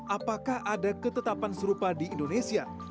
apakah ada ketetapan serupa di indonesia